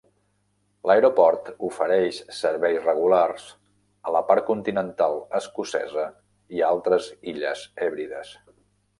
L'aeroport ofereix serveis regulars a la part continental escocesa i a altres illes Hèbrides.